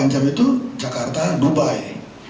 delapan jam itu jakarta dubai